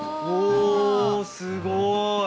おすごい。